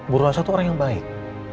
bu rosa itu orang yang baik